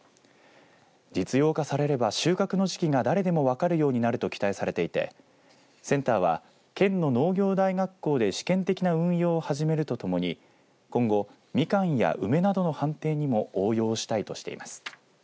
実用化されれば収穫の時期が誰でも分かるようになると期待されていてセンターは県の農業大学校で試験的な運用を始めるとともに今後、みかんや梅などの判定にも応用したいとしています。